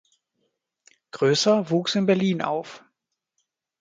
Größer wuchs in Berlin auf.